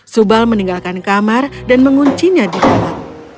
subal meninggalkan kamar dan menguncinya di dalam